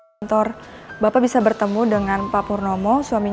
saya bakal hubungi bapak lagi